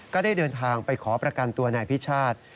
ก็ได้เดินทางไปขอประกันตัวนายพิชาติ